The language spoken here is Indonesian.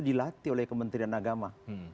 dilatih oleh kementerian agama